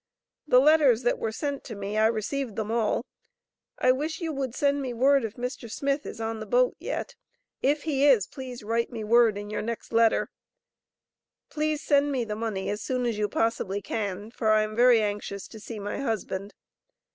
The letters that were sent to me I received them all. I wish you would send me word if Mr. Smith is on the boat yet if he is please write me word in your next letter. Please send me the money as soon as you possibly can, for I am very anxious to see my husband.